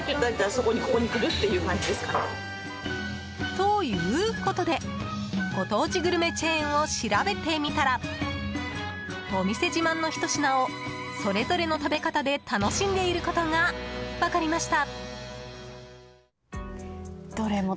ということでご当地グルメチェーンを調べてみたらお店自慢のひと品をそれぞれの食べ方で楽しんでいることが分かりました。